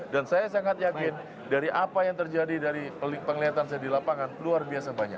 dan saya sangat yakin dari apa yang terjadi dari penglihatan saya di lapangan luar biasa banyak ya